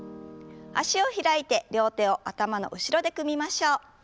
脚を開いて両手を頭の後ろで組みましょう。